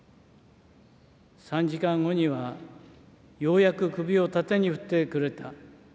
３時間後にはようやく首を縦に振ってくれた。